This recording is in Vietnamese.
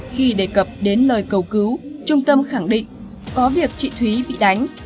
khi đề cập đến lời cầu cứu trung tâm khẳng định có việc chị thúy bị đánh